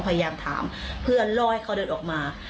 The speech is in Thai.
พยายามถามเพื่อล่อให้เขาเดินออกมา